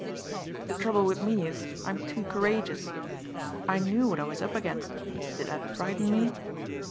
"The trouble with me is I'm too courageous. I knew what I was up against but did that frighten me?